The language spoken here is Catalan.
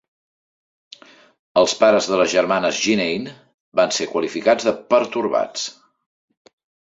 Els pares de les germanes Genain van ser qualificats de "pertorbats".